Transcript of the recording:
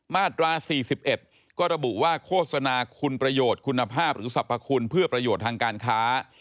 มาตรา๔๑ก็ระบุว่าโฆษณาคุณประโยชน์คุณภาพหรือสรรพคุณเพื่อประโยชน์ทางการค้า